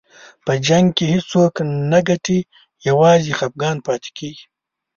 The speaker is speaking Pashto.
په جنګ کې هېڅوک نه ګټي، یوازې خفګان پاتې کېږي.